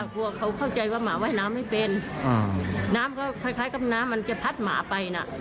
กลัวเขาเข้าใจว่าหมาว่ายน้ำไม่เป็นน้ำก็คล้ายกับน้ำมันจะพัดหมาไปนะ